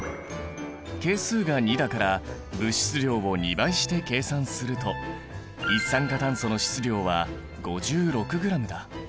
係数が２だから物質量を２倍して計算すると一酸化炭素の質量は５６ｇだ。